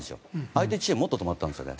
相手チームはもっと止まったんですよね。